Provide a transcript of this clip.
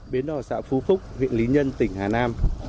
bến đò xã phú phúc huyện lý nhân tỉnh hàn nam